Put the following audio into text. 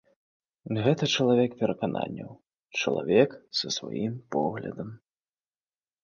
Гэта чалавек перакананняў, чалавек са сваім поглядам.